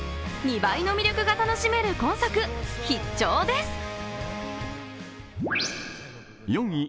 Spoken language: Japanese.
２倍の魅力が楽しめる今作、必聴です。